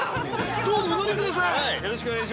どうぞお乗りください。